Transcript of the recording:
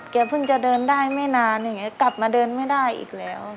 เพิ่งจะเดินได้ไม่นานอย่างนี้กลับมาเดินไม่ได้อีกแล้ว